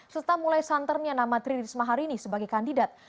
serta mulai santernya nama tri risma hari ini sebagai kandidat